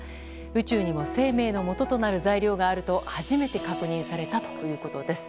宇宙にも生命のもととなる材料があると初めて確認されたということです。